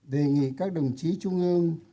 đề nghị các đồng chí trung ương